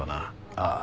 ああ。